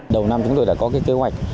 đầu năm chúng tôi đã có kế hoạch